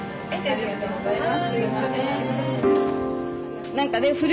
ありがとうございます。